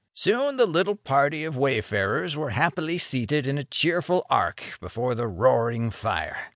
Soon the little party of wayfarers were happily seated in a cheerful arc before the roaring fire.